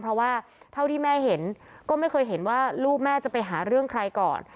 เพราะว่าเท่าที่แม่เห็นก็ไม่เคยเห็นว่าลูกแม่จะไปหาเรื่องใครก่อน